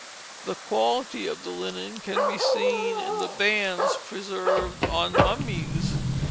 The quality of the linen can be seen in the bands preserved on mummies.